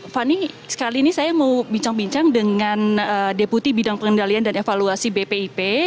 fani sekali ini saya mau bincang bincang dengan deputi bidang pengendalian dan evaluasi bpip